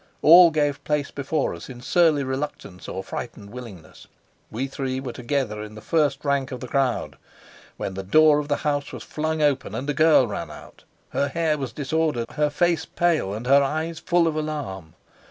All gave place before us in surly reluctance or frightened willingness. We three were together in the first rank of the crowd when the door of the house was flung open, and a girl ran out. Her hair was disordered, her face pale, and her eyes full of alarm.